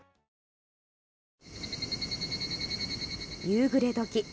夕暮れ時。